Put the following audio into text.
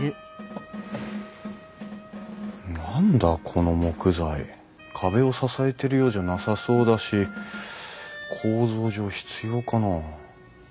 この木材壁を支えてるようじゃなさそうだし構造上必要かな？